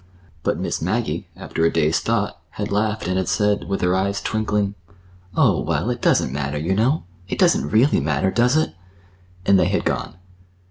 But Miss Maggie, after a day's thought, had laughed and had said, with her eyes twinkling: "Oh, well, it doesn't matter, you know,—it doesn't really matter, does it?" And they had gone.